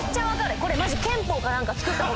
これマジ。